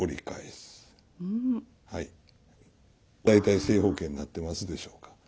大体正方形になってますでしょうか。